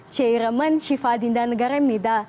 chei remen siva adinda negara imnida